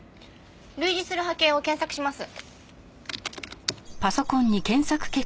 類似する波形を検索します。